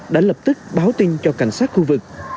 đã lập tức báo tin cho cảnh sát khu vực